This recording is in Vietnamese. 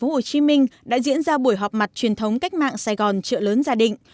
hôm nay tại đền gia đình tp hcm đã diễn ra buổi họp mặt truyền thống cách mạng sài gòn trợ lớn gia đình